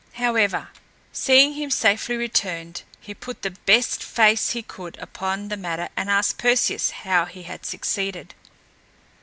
However, seeing him safely returned, he put the best face he could upon the matter and asked Perseus how he had succeeded.